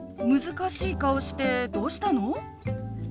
難しい顔してどうしたの？